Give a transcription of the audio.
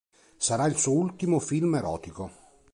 Sarà il suo ultimo film erotico.